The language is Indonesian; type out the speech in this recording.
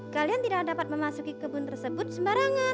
kalian tidak dapat memasuki bunga mawar biru itu